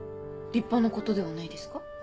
立派なことではないですか？